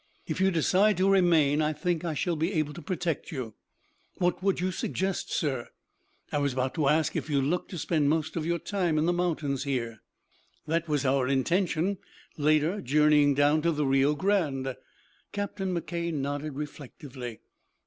If you decide to remain I think I shall be able to protect you." "What would you suggest, sir?" "I was about to ask if you look to spend most of your time in the mountains here?" "That was our intention, later journeying down to the Rio Grande." Captain McKay nodded reflectively.